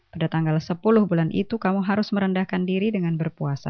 pada tanggal sepuluh bulan itu kamu harus merendahkan diri dengan berpuasa